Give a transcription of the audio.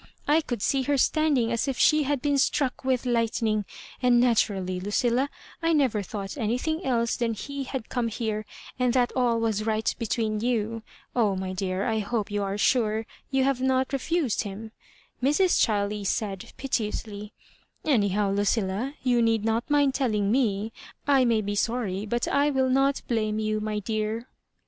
I tould see her standing as if she had been struck with lightning; and na turally, Lucilla, I never thought anything else than that he had come here, and that aU was right between you. Oh, my dear, I hope you are sure you have not refused him," Mrs. Chiley said, piteously ;" anyhow, Lucilla, you need not mind telling me. I may be sorry, but I will not blame you, my dear."